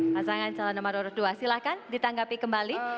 pasangan calon nomor dua silahkan ditanggapi kembali